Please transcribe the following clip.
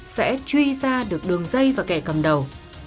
sẽ truy ra được đường dây và kẻ cầm đầu